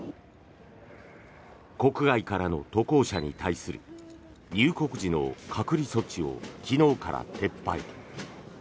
国外からの渡航者に対する入国時の隔離措置を昨日から撤廃。